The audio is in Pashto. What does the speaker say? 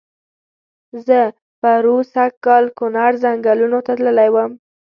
زه پرو سږ کال کونړ ځنګلونو ته تللی وم.